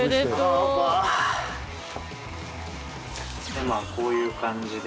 でまあこういう感じで。